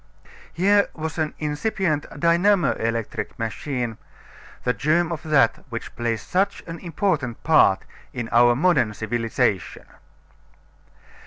Here was an incipient dynamo electric machine the germ of that which plays such an important part in our modern civilization.